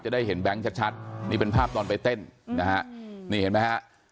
ได้เห็นแบงค์ชัดนี่เป็นภาพตอนไปเต้นนะฮะนี่เห็นไหมฮะ